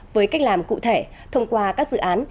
với cách làm cụ thể thông qua các dự án